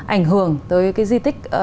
ảnh hưởng tới cái di tích